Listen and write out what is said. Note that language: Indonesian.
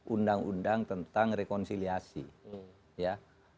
undang undang tentang rekonsiliasi ya